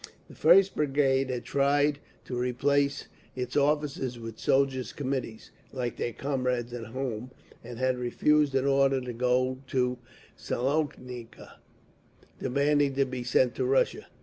The First Brigade had tried to replace its officers with Soldiers' Committees, like their comrades at home, and had refused an order to go to Salonika, demanding to be sent to Russia.